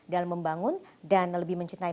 dalam membangun dan lebih mencintai